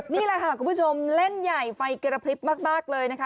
นี่แหละค่ะคุณผู้ชมเล่นใหญ่ไฟกระพริบมากเลยนะคะ